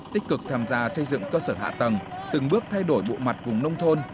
tích cực tham gia xây dựng cơ sở hạ tầng từng bước thay đổi bộ mặt vùng nông thôn